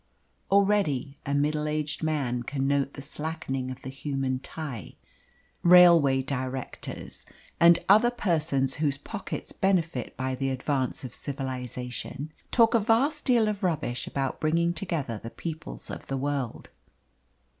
Already a middle aged man can note the slackening of the human tie. Railway directors, and other persons whose pockets benefit by the advance of civilisation, talk a vast deal of rubbish about bringing together the peoples of the world.